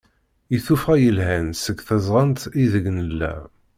I tuffɣa yelhan seg tezɣent ideg nella.